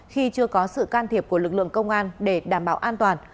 khi chưa có sự can thiệp của lực lượng công an để đảm bảo an toàn